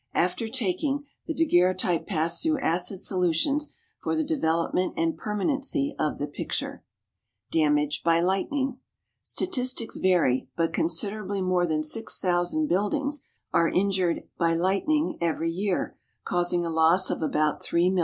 After taking, the daguerreotype passed through acid solutions for the development and permanency of the picture. =Damage by Lightning.= Statistics vary, but considerably more than 6,000 buildings are injured by lightning every year, causing a loss of about $3,000,000.